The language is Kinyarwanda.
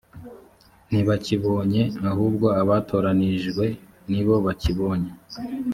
ntibakibonye ahubwo abatoranijwe ni bo bakibonye